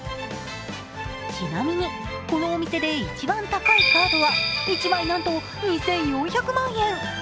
ちなみに、このお店で一番高いカードは１枚なんと２４００万円。